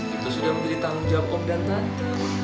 itu sudah menjadi tanggung jawab om dan